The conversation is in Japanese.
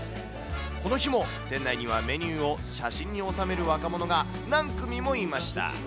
この日も店内にはメニューを写真に収める若者が何組もいました。